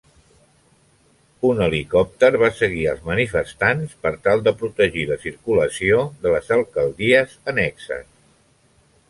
Un helicòpter va seguir als manifestants per tal protegir la circulació de les alcaldies annexes.